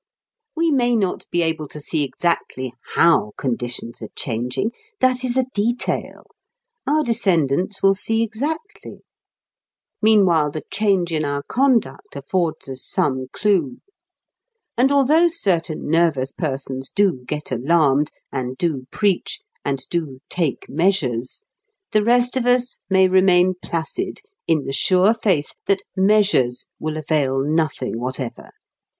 We may not be able to see exactly how conditions are changing; that is a detail; our descendants will see exactly; meanwhile the change in our conduct affords us some clew. And although certain nervous persons do get alarmed, and do preach, and do "take measures," the rest of us may remain placid in the sure faith that "measures" will avail nothing whatever.